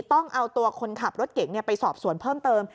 ต้องเอาตัวคนขับรถเก่งไปสอบสวนเพิ่มเติม